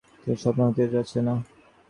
আজ স্বপ্ন সত্যি হতে যাচ্ছে।